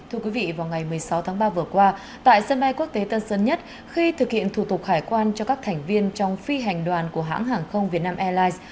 thưa quý vị vào ngày một mươi sáu tháng ba vừa qua tại sân bay quốc tế tân sơn nhất khi thực hiện thủ tục hải quan cho các thành viên trong phi hành đoàn của hãng hàng không việt nam airlines